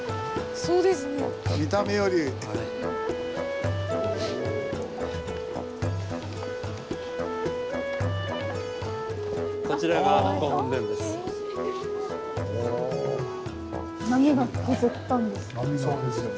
そうですよね